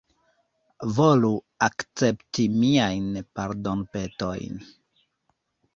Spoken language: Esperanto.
Volu akcepti miajn pardonpetojn.